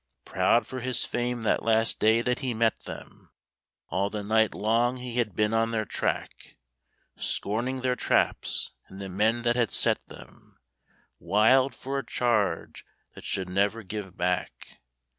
Proud for his fame that last day that he met them! All the night long he had been on their track, Scorning their traps and the men that had set them, Wild for a charge that should never give back.